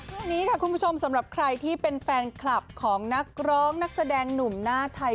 เรื่องนี้ค่ะคุณผู้ชมสำหรับใครที่เป็นแฟนคลับของนักร้องนักแสดงหนุ่มหน้าไทย